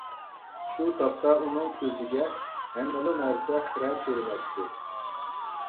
شۇ تاپتا ئۇنىڭ كۆزىگە ھەممىلا نەرسە خىرە كۆرۈنەتتى.